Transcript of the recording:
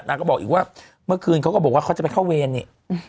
ก็บอกอีกว่าเมื่อคืนเขาก็บอกว่าเขาจะไปเข้าเวรเนี่ย